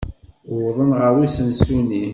Wwḍen ɣer usensu-nni.